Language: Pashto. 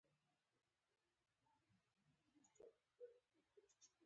خوب د شونډو مسکا راوړي